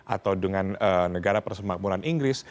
atau dengan negara persemakmuran inggris